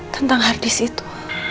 tentang harddisk itu